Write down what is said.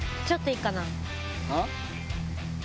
ちょっといいかな。